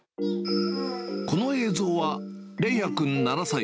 この映像は、連也くん７歳。